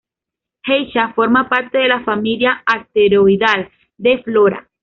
Geisha forma parte de la familia asteroidal de Flora.